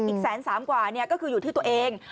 อีกแสนสามกว่าเนี่ยก็คืออยู่ที่ตัวเอง